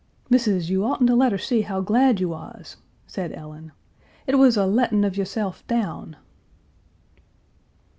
"Missis, you oughtn't to let her see how glad you was," said Ellen. "It was a lettin' of yo'sef down."